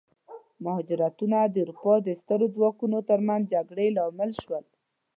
مهاجرتونه د اروپا د سترو ځواکونو ترمنځ جګړې لامل شول.